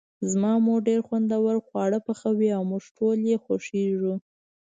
زما مور ډیر خوندور خواړه پخوي او موږ ټول یی خوښیږو